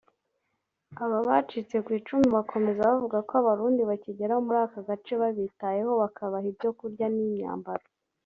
Aba bacitse ku icumu bakomeza bavuga ko Abarundi bakigera muri aka gace babitayeho bakabaha ibyo kurya n’imyambaro